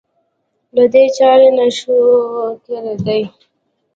له دې چارې نه شو تېرېدای.